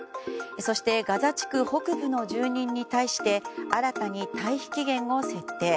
そして、ガザ地区北部の住民に対して新たに退避期限を設定。